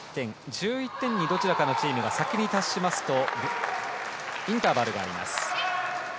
１１点にどちらかのチームが先に達しますとインターバルがあります。